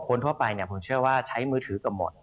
คุณสินทะนันสวัสดีครับ